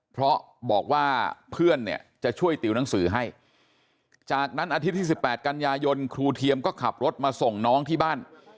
เพราะบอกว่าเพื่อนเนี่ยจะช่วยติวหนังสือให้จากนั้นอาทิตย์ที่๑๘กันยายนครูเทียมก็ขับรถมาส่งน้องที่บ้าน